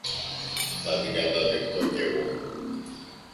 θα την καταδεχθώ κι εγώ.